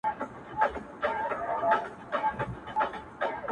که یې سیلیو چڼچڼۍ وهلي،